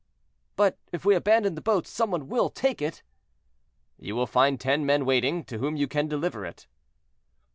"But if we abandon the boat some one will take it?" "You will find ten men waiting, to whom you can deliver it."